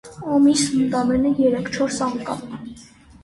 ամիսն ընդամենը երեք-չորս անգամ: